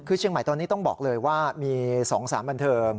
คือเชียงใหม่ตอนนี้ต้องบอกเลยว่ามี๒สารบันเทิง